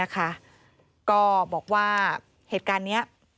ก็บอกว่าเหตุการณ์นี้